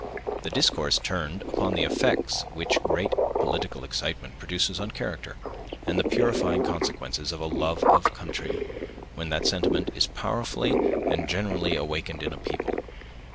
The discourse turned upon the effects which great political excitement produces on character, and the purifying consequences of a love of country, when that sentiment is powerfully and generally awakened in a people.